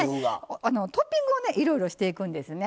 トッピングをいろいろしていくんですね。